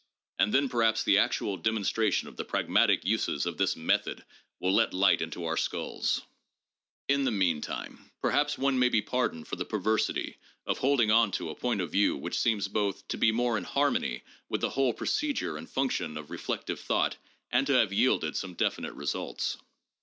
and then perhaps the actual demonstration of the pragmatic uses of this 'method' will let light into our skulls. In the meantime, per 8 This Journal, Vol. II., pp. 707 711. 180 THE JOURNAL OF PHILOSOPHY haps one may be pardoned for the perversity of holding on to a point of view which seems both to be more in harmony with the whole procedure and function of reflective thought and to have yielded some definite results.